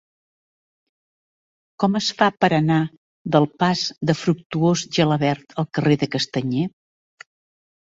Com es fa per anar del pas de Fructuós Gelabert al carrer de Castanyer?